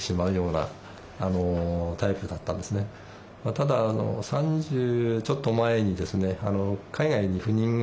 ただ３０ちょっと前にですね